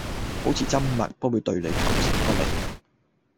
保持緘默不會對你構成不利